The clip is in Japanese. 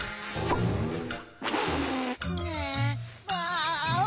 わあ。